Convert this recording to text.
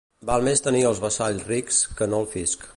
Més val tenir els vassalls rics que no el fisc.